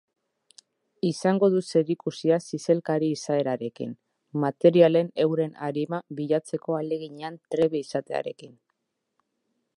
Izango du zerikusia zizelkari izaerarekin, materialen euren arima bilatzeko ahaleginean trebe izatearekin.